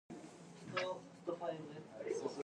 He located its wielder, Cervantes, but was beaten severely.